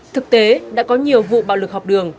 thực tế đã có nhiều vụ bạo lực học đường